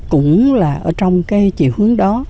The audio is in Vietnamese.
cũng là ở trong chiều hướng đó